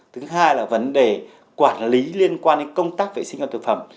thứ hai là vấn đề quản lý liên quan đến công tác vệ sinh an toàn thực phẩm